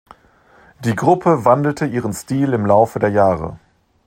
Die Gruppe wandelte ihren Stil im Laufe der Jahre.